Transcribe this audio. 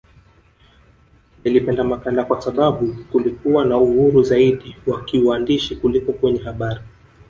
Nilipenda makala kwa sababu kulikuwa na uhuru zaidi wa kiuandishi kuliko kwenye habari